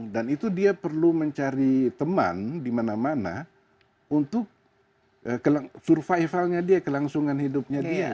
dan itu dia perlu mencari teman di mana mana untuk survivalnya dia kelangsungan hidupnya dia